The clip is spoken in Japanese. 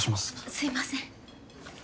すいません。